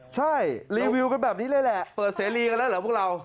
ใช่รีวิวกันแบบนี้เลยแหละเปิดเสรีกันแล้วเหรอพวกเรา